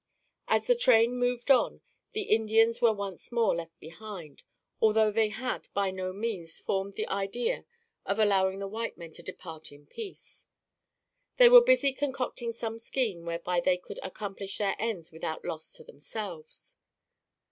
As the train moved on, the Indians were once more left behind, although they had, by no means, formed the idea of allowing the white men to depart in peace. They were busy concocting some scheme whereby they could accomplish their ends without loss to themselves.